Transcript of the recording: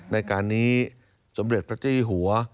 ในการนี้สมเด็จพระเจ้าหัว